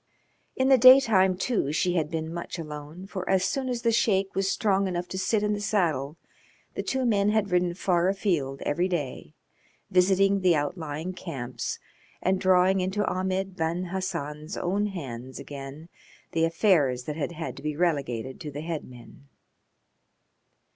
In the daytime, too, she had been much alone, for as soon as the Sheik was strong enough to sit in the saddle the two men had ridden far afield every day, visiting the outlying camps and drawing into Ahmed Ben Hassan's own hands again the affairs that had had to be relegated to the headmen.